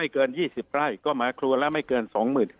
ไม่เกินยี่สิบไล่ก็ไม่เกินสองหมื่น